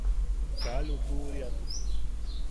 Kaa lutuʼuriatuk.